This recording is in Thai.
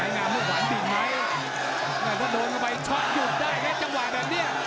น่าจะโดนเข้าไปช็อตหยุดได้แค่จังหวะแบบเนี้ย